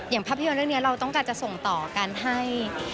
ภาพยนตร์เรื่องนี้เราต้องการจะส่งต่อการให้